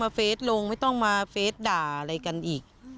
ไม่อยากให้มองแบบนั้นจบดราม่าสักทีได้ไหม